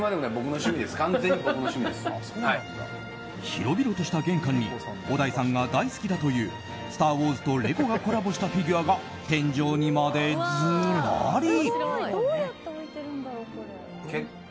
広々とした玄関に小田井さんが大好きだという「スター・ウォーズ」とレゴがコラボしたフィギュアが天井にまで、ずらり。